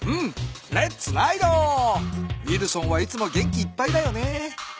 ウィルソンはいつも元気いっぱいだよね。